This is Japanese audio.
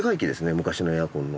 昔のエアコンの。